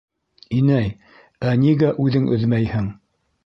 «Инәй, ә нигә үҙең өҙмәйһең?»